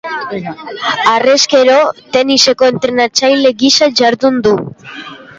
Harrezkero, teniseko entrenatzaile gisa jardun du.